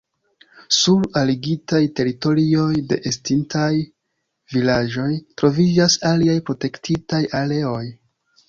Sur aligitaj teritorioj de estintaj vilaĝoj troviĝas aliaj protektitaj areoj.